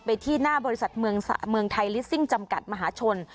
ไปที่หน้าบริษัทเมืองไทยลิสซิ่งจำกัดมหาชน